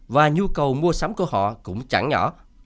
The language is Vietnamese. và nhu cầu mua sắm của họ cũng chẳng nhỏ